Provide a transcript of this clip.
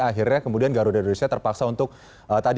akhirnya kemudian garuda indonesia terpaksa untuk tadi